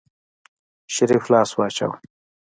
شريف لاس واچوه.